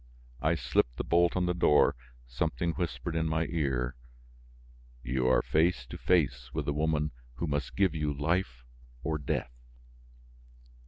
I slipped the bolt on the door; something whispered in my ear: "You are face to face with the woman who must give you life or death."